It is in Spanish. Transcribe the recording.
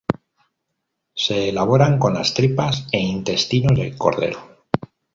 Se elaboran con las tripas e intestinos de cordero.